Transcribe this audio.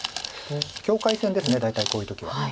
境界線ですね大体こういう時は。